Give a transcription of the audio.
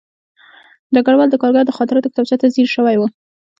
ډګروال د کارګر د خاطراتو کتابچې ته ځیر شوی و